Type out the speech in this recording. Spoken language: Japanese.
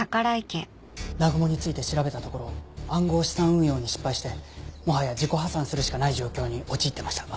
南雲について調べたところ暗号資産運用に失敗してもはや自己破産するしかない状況に陥ってました。